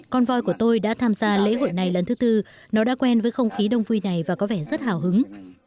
con voi của tôi đã tham gia lễ hội này lần thứ tư nó đã quen với không khí đông vui này và có vẻ rất hào hứng